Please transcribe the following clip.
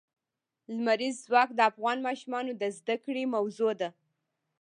لمریز ځواک د افغان ماشومانو د زده کړې موضوع ده.